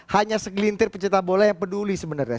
hanya segelintir pencetak bola yang peduli sebenarnya